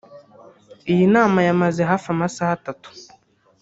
Iyi nama yamaze hafi amasaha atatu